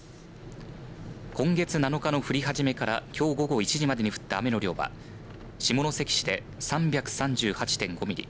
今月７日の降り始めからきょう午後１時までに降った雨の量は下関市で３３８．５ミリ